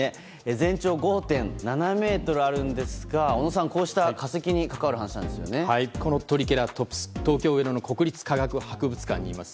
全長５．７ｍあるんですが小野さん、こうした化石に関わるこのトリケラトプス東京・上野の国立科学博物館にいます。